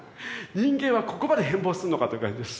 人間はここまで変貌するのかという感じです。